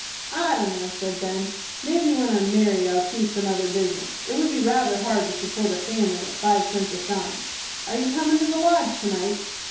"I dunno," said Ben. "Maybe when I'm married, I'll choose some other business. It would be rather hard to support a family at five cents a shine. Are you comin' to the Lodge to night?"